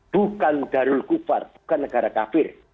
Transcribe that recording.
bukan darul kupar bukan negara kafir